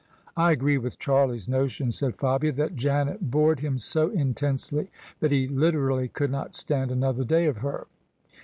" I agree with Charlie's notion," said Fabia; " that Janet bored him so intensely that he literally could not stand another day of her."